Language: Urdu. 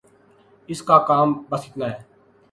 اس کا کام بس اتنا ہے۔